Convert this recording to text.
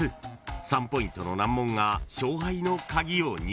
［３ポイントの難問が勝敗の鍵を握る］